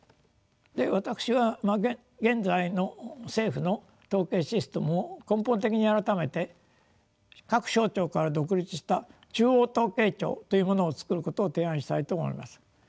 私は現在の政府の統計システムを根本的に改めて各省庁から独立した「中央統計庁」というものを作ることを提案したいと思います。